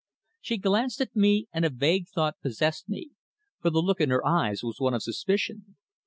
She glanced at me, and a vague thought possessed me, for the look in her eyes was one of suspicion.